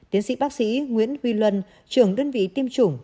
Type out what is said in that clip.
tiến sĩ bác sĩ nguyễn huy luân trưởng đơn vị tiêm chủng